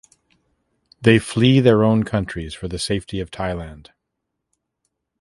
They flee their own countries for the safety of Thailand.